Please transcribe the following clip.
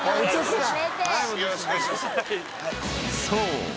［そう。